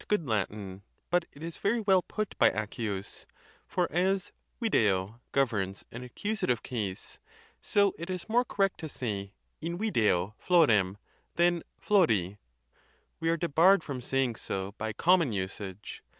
good Latin, but it is very well put by Accius; for as video governs an accusative case, so it is more correct to say in video florem than flori. We are debarred from saying so by common usage.